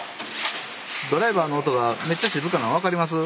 ドライバーの音がめっちゃ静かなん分かります？